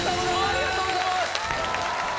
ありがとうございます！